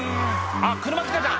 「あっ車来てた！